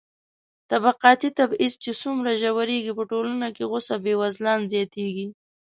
طبقاتي تبعيض چې څومره ژورېږي، په ټولنه کې غوسه بېوزلان زياتېږي.